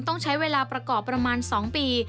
ต้องใช้เวลาประกอบประมาณ๒ปี